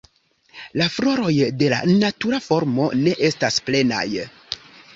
La floroj de la natura formo ne estas plenaj.